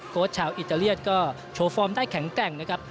ชาวอิตาเลียนก็โชว์ฟอร์มได้แข็งแกร่งนะครับ